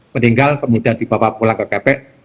meninggal kemudian dibawa pulang ke kepek